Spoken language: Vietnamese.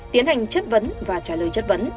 tiến hành chất vấn và trả lời